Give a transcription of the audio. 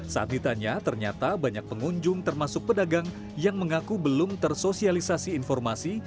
saat ditanya ternyata banyak pengunjung termasuk pedagang yang mengaku belum tersosialisasi informasi